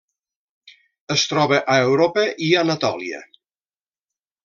Es troba a Europa i Anatòlia.